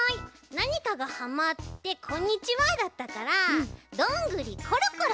なにかがはまって「こんにちは」だったから「どんぐりころころ」